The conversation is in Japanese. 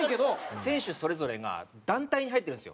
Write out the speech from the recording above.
選手それぞれが団体に入ってるんですよ。